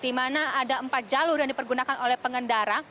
di mana ada empat jalur yang dipergunakan oleh pengendara